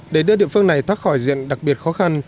để đưa địa phương này thoát khỏi diện đặc biệt khó khăn